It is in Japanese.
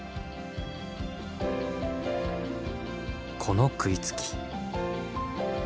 この食いつき。